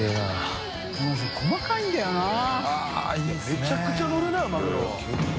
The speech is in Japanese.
めちゃくちゃのるなマグロ觜修